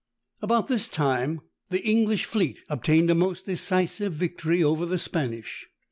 About this time the English fleet obtained a most decisive victory over the Spanish.